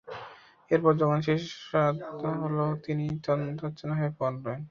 এরপর যখন শেষরাত হলো তিনি তন্দ্রাচ্ছন্ন হয়ে পড়লেন।